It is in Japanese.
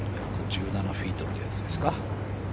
１７フィートってやつですか。